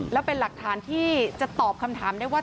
แล้วเป็นหลักฐานที่จะตอบคำถามได้ว่า